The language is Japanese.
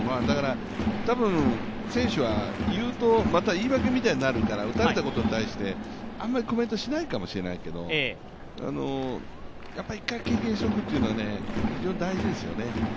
多分、選手はまた言い訳みたいになるから打たれたことに対して、あまりコメントしないかもしれないですけど、っぱり１回経験しておくってのは非常に大事ですよね。